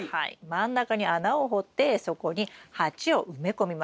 真ん中に穴を掘ってそこに鉢を埋め込みます。